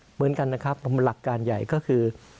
เหมือนกันนะครับหลักการใหญ่ก็คือ